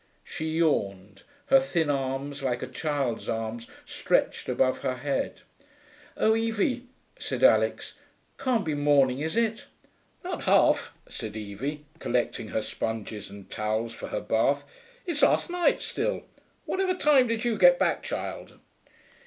She yawned, her thin arms, like a child's arms, stretched above her head. 'Oh, Evie,' said Alix. 'Can't be morning, is it?' 'Not half,' said Evie, collecting her sponges and towels for her bath. 'It's last night still.... Whatever time did you get back, child?'